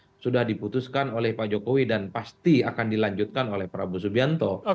dan segala hal sudah diputuskan oleh pak jokowi dan pasti akan dilanjutkan oleh prabowo subianto